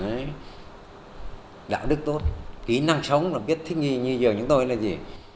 đấy đạo đức tốt kỹ năng sống là biết thích nghi như vừa chúng tôi là gì